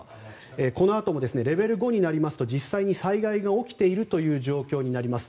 このあともレベル５になりますと実際に災害が起きているという状況になります。